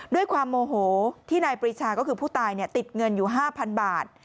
ด้วยความโมโหที่นายปริชาก็คือผู้ตายติดเงินอยู่๕๐๐บาท